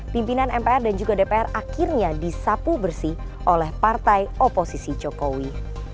pimpinan mpr dan juga dpr akhirnya disapu bersih oleh partai oposisi jokowi